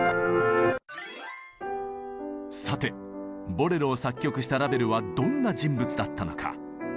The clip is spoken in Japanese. さて「ボレロ」を作曲したラヴェルはどんな人物だったのか。